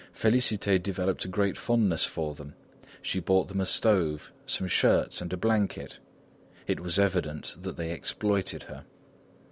Félicité developed a great fondness for them; she bought them a stove, some shirts and a blanket; it was evident that they exploited her.